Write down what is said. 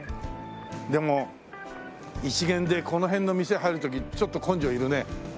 でも一見でこの辺の店入る時ちょっと根性いるね。